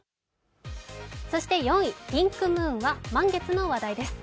４位、ピンクムーンは満月の話題です。